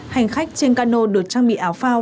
hành khách trên cano được trang bị áo phao